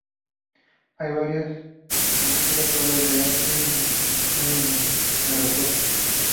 Hay varias conocidas obras de arte en exhibición en el aeropuerto.